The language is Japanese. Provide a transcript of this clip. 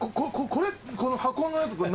これこの箱のやつ何すか？